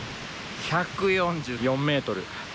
１４４メートル。